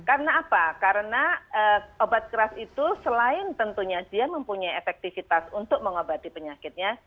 karena apa karena obat keras itu selain tentunya dia mempunyai efektivitas untuk mengobati penyakitnya